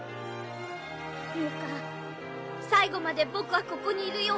最後まで僕はここにいるよ。